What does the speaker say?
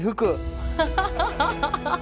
ハハハハ！